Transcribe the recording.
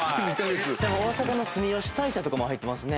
大阪の住大社とかも入ってますね。